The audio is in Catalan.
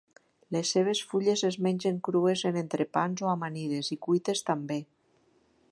Les seves fulles es mengen crues en entrepans o amanides i cuites també.